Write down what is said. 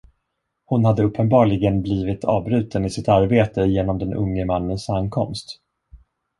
Hon hade uppenbarligen blivit avbruten i sitt arbete genom den unge mannens ankomst.